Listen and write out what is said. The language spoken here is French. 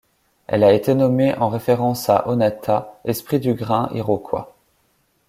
Elle a été nommée en référence à Onatah, Esprit du grain Iroquois.